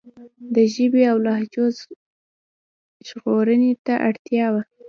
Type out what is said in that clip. د ژبې او لهجو ژغورنې ته اړتیا وه.